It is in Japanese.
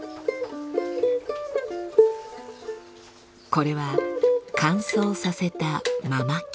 これは乾燥させたママキ。